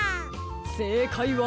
せいかいは。